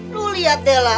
lu liat deh lah